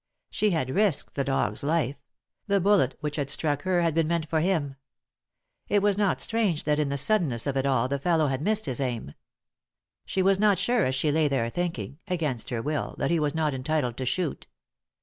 She had risked the dog's life ; the bullet which had struck her had been meant for him ; it was not strange that in the suddenness of it all the fellow had missed his aim. She was not sure, as she lay there thinking — against her will — that he was not entitled to shoot.